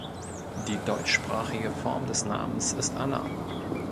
Die deutschsprachige Form des Namens ist Anna.